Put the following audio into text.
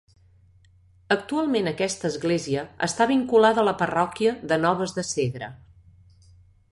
Actualment aquesta església està vinculada a la parròquia de Noves de Segre.